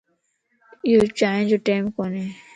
ايو چائين جو ٽيم ڪوني